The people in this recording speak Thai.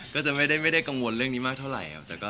ก็จะไม่ได้กังวลเรื่องนี้มากเท่าไหร่ครับ